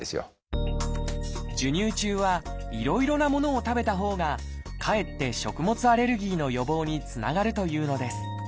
授乳中はいろいろなものを食べたほうがかえって食物アレルギーの予防につながるというのです。